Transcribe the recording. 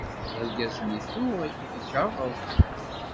Argaz-nni tuɣ ikeṛṛeb.